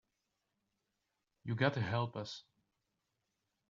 You got to help us.